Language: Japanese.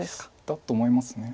だと思います。